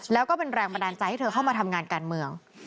แล้วก็เป็นแรงบันดาลใจให้เธอเข้ามาทำงานการเมือง